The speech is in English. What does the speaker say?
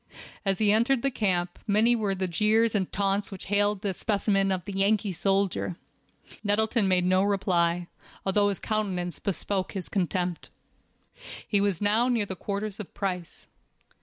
As he entered the camp, many were the jeers and taunts which hailed this specimen of the Yankee soldier. Nettleton made no reply, although his countenance bespoke his contempt. He was now near the quarters of Price.